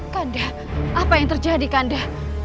kandah apa yang terjadi kanda